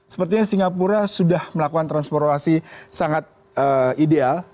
sepertinya singapura sudah melakukan transformasi sangat ideal